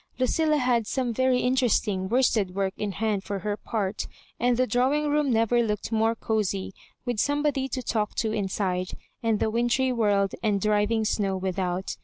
Lucilla had some very interesting worsted work in hand for her part, and the drawing room never looked more cozy, with somebody to talk to inside, and the wintry world and driving snow without.